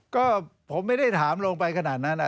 ก็ผมไม่ได้ถามลงไปขนาดนั้น